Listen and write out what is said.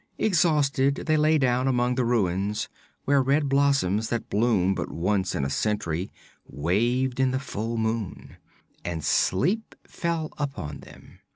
Exhausted they lay down among the ruins where red blossoms that bloom but once in a century waved in the full moon, and sleep fell upon them.